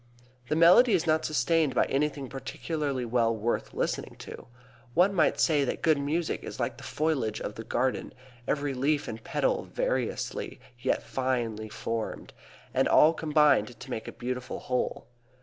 The melody is not sustained by anything particularly well worth listening to. One might say that good music is like the foliage of the garden, every leaf and petal variously yet finely formed, and all combined to make a beautiful whole.